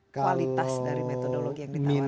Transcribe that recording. kualitas dari metodologi yang ditawarkan